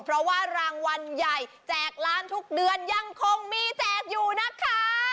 เพราะว่ารางวัลใหญ่แจกล้านทุกเดือนยังคงมีแจกอยู่นะคะ